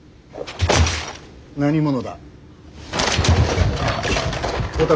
何者だ。